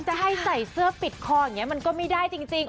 จะให้ใส่เสื้อปิดคออย่างนี้มันก็ไม่ได้จริง